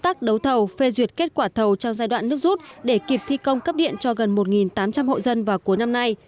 tác đấu thầu phê duyệt kết quả thầu trong giai đoạn nước rút để kịp thi công cấp điện cho gần một tám trăm linh hộ dân vào cuối năm nay